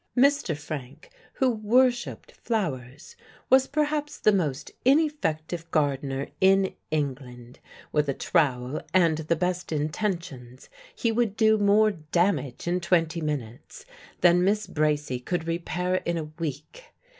Mr. Frank, who worshipped flowers, was perhaps the most ineffective gardener in England. With a trowel and the best intentions he would do more damage in twenty minutes than Miss Bracy could repair in a week.